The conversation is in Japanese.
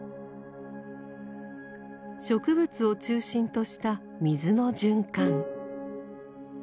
植物を中心とした水の循環。